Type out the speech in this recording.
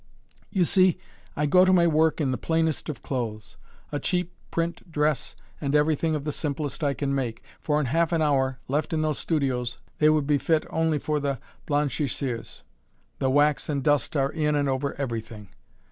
You see, I go to my work in the plainest of clothes a cheap print dress and everything of the simplest I can make, for in half an hour, left in those studios, they would be fit only for the blanchisseuse the wax and dust are in and over everything!